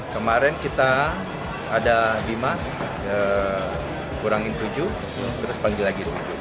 kemarin kita ada bimas kurangin tujuh terus panggil lagi tujuh